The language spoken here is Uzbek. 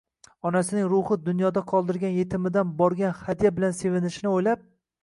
onasining ruhi dunyoda qoldirgan yetimidan borgan hadya bilan sevinishini o'ylab